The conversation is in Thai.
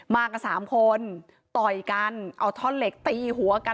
มากันสามคนต่อยกันเอาท่อนเหล็กตีหัวกัน